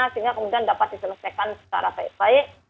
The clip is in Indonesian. sehingga kemudian dapat diselesaikan secara baik baik